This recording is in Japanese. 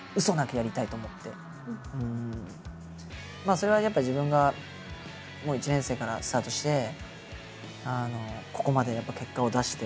それはやっぱ自分がもう１年生からスタートしてここまでやっぱ結果を出して。